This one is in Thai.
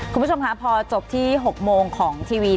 คุณผู้ชมค่ะพอจบที่๖โมงของทีวี